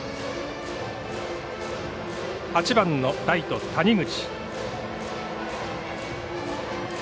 ８番のライト谷口。